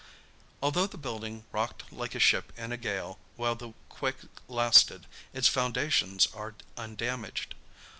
Although the building rocked like a ship in a gale while the quake lasted, its foundations are undamaged.